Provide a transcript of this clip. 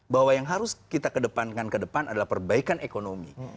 bahwa yang harus kita kedepankan ke depan adalah perbaikan ekonomi